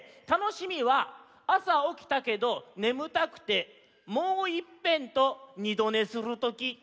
『楽しみは朝起きたけど眠たくてもういっぺんと二度寝するとき』」。